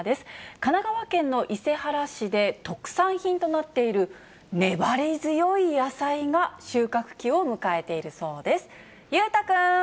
神奈川県の伊勢原市で、特産品となっている粘り強い野菜が収穫期を迎えているそうです。